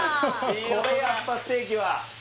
これやっぱステーキはねえ